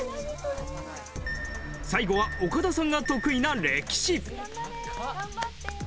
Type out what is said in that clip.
最後は岡田さんが得意な歴史。